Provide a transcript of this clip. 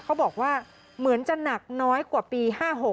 เขาบอกว่าเหมือนจะหนักน้อยกว่าปี๕๖